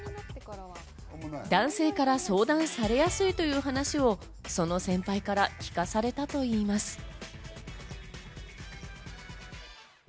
男性から相談されやすいという話をその先輩から聞かされたといいます。